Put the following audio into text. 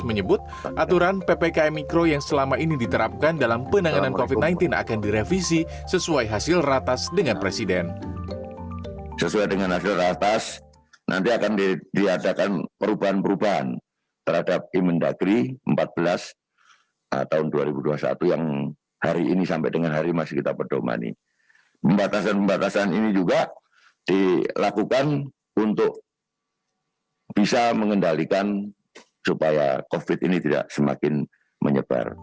menyebut aturan ppkm mikro yang selama ini diterapkan dalam penanganan covid sembilan belas akan direvisi sesuai hasil ratas dengan presiden